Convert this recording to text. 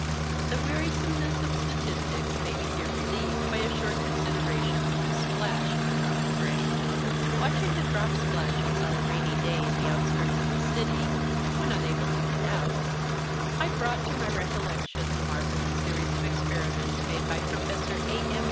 The wearisomeness of statistics may be here relieved by a short consideration of the splash of a drop of rain. Watching the drop splashes on a rainy day in the outskirts of the city, when unable to get out, I brought to my recollection the marvellous series of experiments made by Professor A. M.